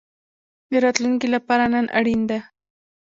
د راتلونکي لپاره نن اړین ده